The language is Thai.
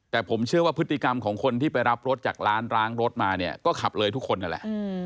แต่ผมเชื่อว่าพฤติกรรมของคนที่ไปรับรถจากร้านล้างรถมาเนี่ยก็ขับเลยทุกคนนั่นแหละ